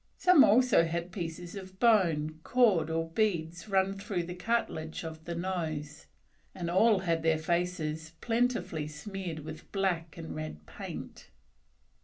Some also had pieces of bone, cord, or beads run through the cartilage of the nose, and all had their faces plentifully smeared with black and red paint.